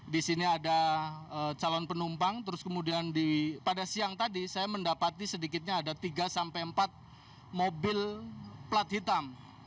di sini ada calon penumpang terus kemudian pada siang tadi saya mendapati sedikitnya ada tiga sampai empat mobil plat hitam